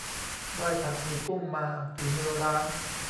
ได้ผัดหมี่กุ้งมาฝีมือร้าน